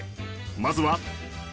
まずは。